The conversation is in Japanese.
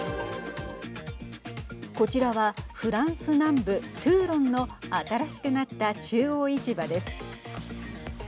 こちらはフランス南部トゥーロンの新しくなった中央市場です。